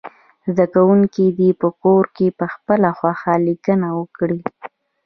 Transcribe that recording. زده کوونکي دې په کور کې پخپله خوښه لیکنه وکړي.